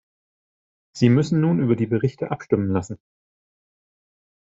Sie müssen nun über die Berichte abstimmen lassen.